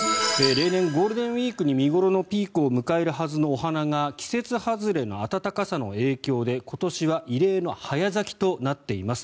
例年、ゴールデンウィークに見頃のピークを迎えるはずのお花が季節外れの暖かさの影響で今年は異例の早咲きとなっています。